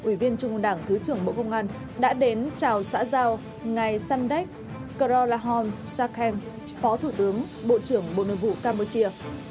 ủy viên trung ương đảng thứ trưởng bộ công an đã đến chào xã giao ngài sandek karolahorn sakhem phó thủ tướng bộ trưởng bộ nội vụ campuchia